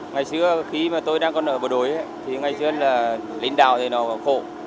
ngày xưa khi mà tôi đang còn ở bộ đội thì ngày xưa là lính đảo thì nó khổ